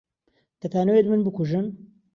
دەتانەوێت من بکوژن؟